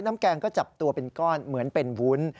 แกงก็จับตัวเป็นก้อนเหมือนเป็นวุ้น